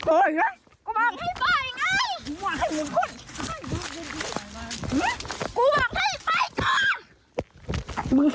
เอาปล่อยปล่อยไงกูบอกให้ปล่อยไงกูบอกให้เหมือนคน